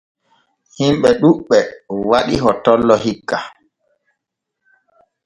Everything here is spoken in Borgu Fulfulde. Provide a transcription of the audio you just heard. Himɓe ɗuuɓɓe waɗi hottollo hikka.